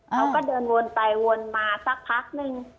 เขาก็เดินวนไปวนมาสักพักนึง